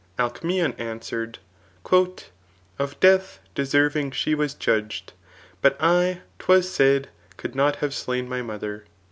Alcmsson answered, " Of death deserving she was judg'd, but I, *Twas said, could not have slain my mother."